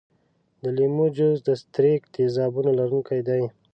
د لیمو جوس د ستریک تیزابونو لرونکی دی.